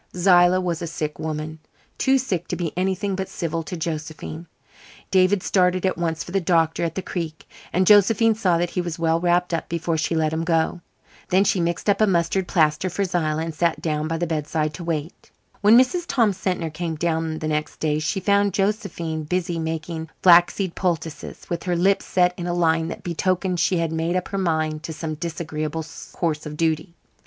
Zillah was a sick woman too sick to be anything but civil to Josephine. David started at once for the doctor at the Creek, and Josephine saw that he was well wrapped up before she let him go. Then she mixed up a mustard plaster for Zillah and sat down by the bedside to wait. When Mrs. Tom Sentner came down the next day she found Josephine busy making flaxseed poultices, with her lips set in a line that betokened she had made up her mind to some disagreeable course of duty.